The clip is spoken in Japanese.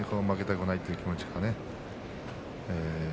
負けたくないという気持ちがね。